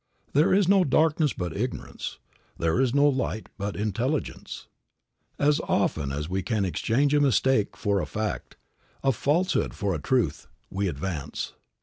"There is no darkness but ignorance." There is no light but intelligence, As often as we can exchange a mistake for a fact, a falsehood for a truth, we advance.